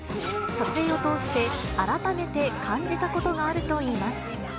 撮影を通して、改めて感じたことがあるといいます。